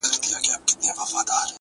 o د سيند پر غاړه. سندريزه اروا وچړپېدل.